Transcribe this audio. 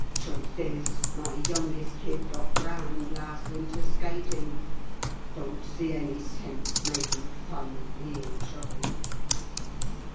'Truth is, my youngest kid got drowned last winter skating. Don't see any sense making fun of real trouble.